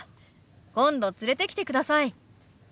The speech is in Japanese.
今度連れてきてください。